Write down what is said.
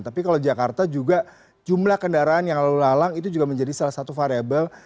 tapi kalau jakarta juga jumlah kendaraan yang lalu lalang itu juga menjadi salah satu variable